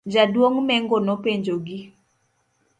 jaduong' Mengo nopenjogi